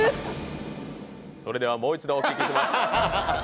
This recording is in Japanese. それではもう一度お聞きします。